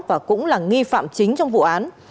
và cũng là nghi phạm chính trong vụ án